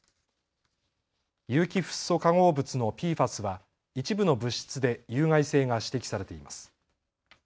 有機フッ素化合物のＰＦＡＳは一部の物質で有害性が指摘されています。